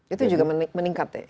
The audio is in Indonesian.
itu juga meningkat ya